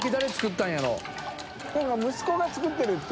燭息子が作ってるって。